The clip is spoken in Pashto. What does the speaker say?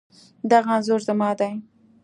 دغه انځور زما دی